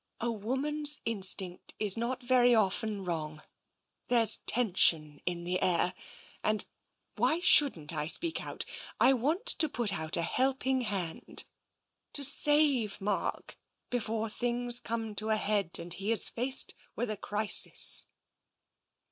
"A woman's instinct is not very often wrong. There's tension in the air, and — why shouldn't I speak out? — I want to put out a helping hand — to save Mark, before things come to a head and he is faced with a crisis."